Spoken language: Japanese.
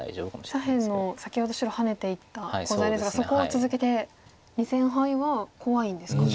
左辺の先ほど白ハネていったコウ材ですがそこを続けて２線ハイは怖いんですか。